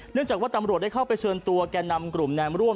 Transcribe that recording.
จากว่าตำรวจได้เข้าไปเชิญตัวแก่นำกลุ่มแนมร่วม